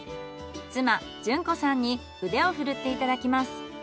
妻順子さんに腕をふるっていただきます。